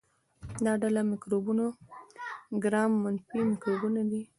دا ډله مکروبونه ګرام منفي مکروبونه دي.